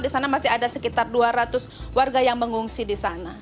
di sana masih ada sekitar dua ratus warga yang mengungsi di sana